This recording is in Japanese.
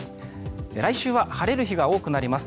来週は晴れる日が多くなります。